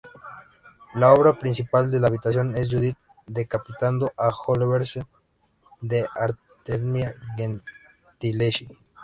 La obra principal de la habitación es "Judit decapitando a Holofernes" de Artemisia Gentileschi.